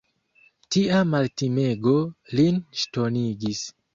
Tia maltimego lin ŝtonigis.